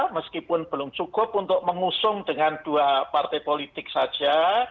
meskipun belum cukup untuk mengusung dengan dua partai politik saja